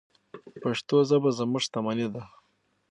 پښتو ژبه زموږ شتمني ده.